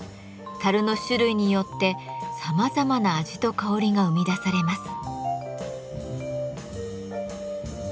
樽の種類によってさまざまな味と香りが生み出されます。